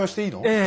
ええ。